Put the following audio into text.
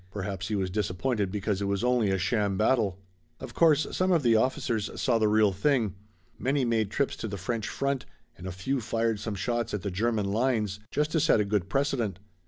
Perhaps he was disappointed because it was only a sham battle. Of course some of the officers saw the real thing. Many made trips to the French front and a few fired some shots at the German lines just to set a good precedent.